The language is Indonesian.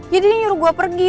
ya dia nyuruh gue pergi